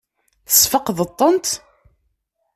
Tesfeqdeḍ-tent?